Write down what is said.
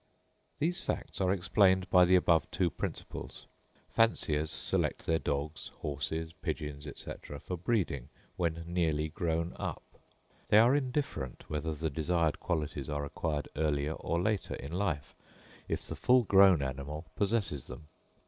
These facts are explained by the above two principles. Fanciers select their dogs, horses, pigeons, &c., for breeding, when nearly grown up. They are indifferent whether the desired qualities are acquired earlier or later in life, if the full grown animal possesses them.